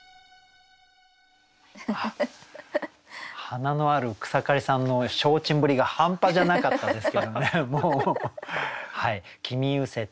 華のある草刈さんの消沈ぶりが半端じゃなかったですけどね。